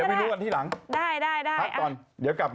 เอาไม่รู้ก็ได้อย่าไปรู้อันที่หลัง